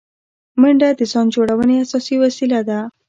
منډه د ځان جوړونې اساسي وسیله ده